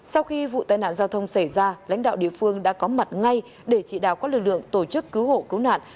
sau khi vụ tai nạn giao thông xảy ra lãnh đạo địa phương đã có mặt ngay để chỉ đạo các lực lượng tổ chức cứu hộ cứu nạn